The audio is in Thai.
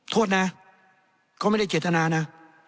โทษนะเขาไม่ได้เจตนานะ